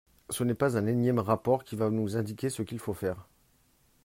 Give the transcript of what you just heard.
Ce n’est pas un énième rapport qui va nous indiquer ce qu’il faut faire.